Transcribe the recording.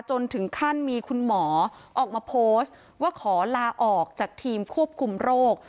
จนถึงขั้นมีคุณหมอออกมาโพสต์ว่าขอลาออกจากทีมควบคุมโรค